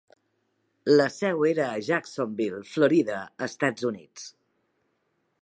La seu era a Jacksonville, Florida, Estats Units.